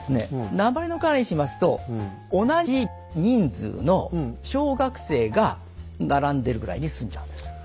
鉛の瓦にしますと同じ人数の小学生が並んでるぐらいに済んじゃうんです。